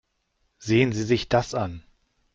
Sehen Sie sich das an.